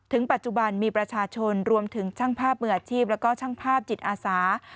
ปัจจุบันมีประชาชนรวมถึงช่างภาพมืออาชีพแล้วก็ช่างภาพจิตอาสา